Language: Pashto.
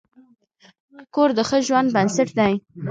کور د ښه ژوند بنسټ دی.